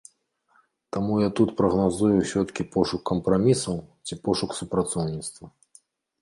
Таму я тут прагназую ўсё-ткі пошук кампрамісаў ці пошук супрацоўніцтва.